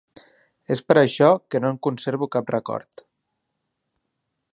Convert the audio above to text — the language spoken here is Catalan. És per això que no en conservo cap record.